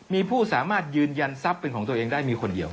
มีผู้สามารถยืนยันทรัพย์เป็นของตัวเองได้มีคนเดียว